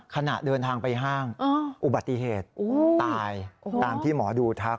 ขณะเดินทางไปห้างอุบัติเหตุตายตามที่หมอดูทัก